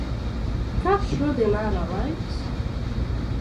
Kāds šodien ārā laiks?